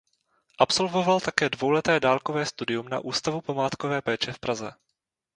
Absolvoval také dvouleté dálkové studium na Ústavu památkové péče v Praze.